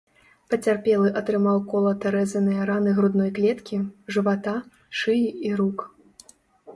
Пацярпелы атрымаў колата-рэзаныя раны грудной клеткі, жывата, шыі і рук.